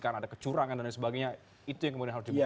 karena ada kecurangan dan sebagainya itu yang kemudian harus dibuktikan